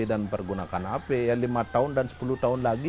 dan menggunakan hp ya lima tahun dan sepuluh tahun lagi